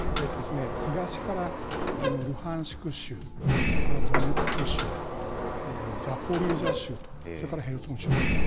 東からルハンシク州、それからドネツク州、ザポリージャ州と、それからヘルソン州です。